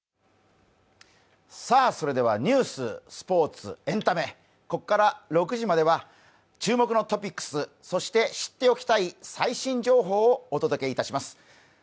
それではニュース、スポーツ、エンタメ、ここから６時までは注目のトピックス、そして知っておきたい最新情報をお届けいたします。